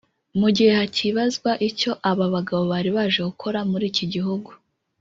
Mu gihe hacyibazwa icyo aba bagabo bari baje gukora muri iki gihugu